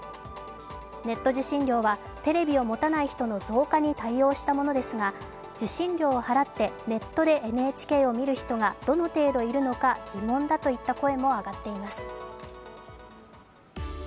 ネット受信料はテレビを持たない人の増加に対応したものですが、受信料を払ってネットでＮＨＫを見る人がどの程度いるのか疑問だといった声も上がっています。